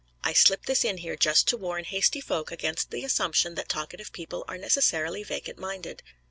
I slip this in here just to warn hasty folk against the assumption that talkative people are necessarily vacant minded.